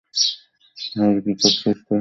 হেই, কি করছিস তুই?